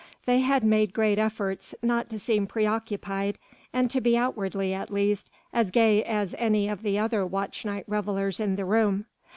They had made great efforts not to seem pre occupied and to be outwardly at least as gay as any of the other watch night revellers in the room.